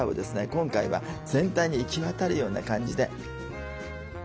今回は全体に行き渡るような感じで。